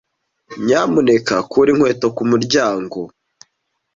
Nyamuneka kura inkweto ku muryango.